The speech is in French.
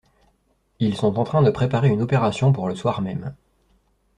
Ils sont en train de préparer une opération pour le soir même.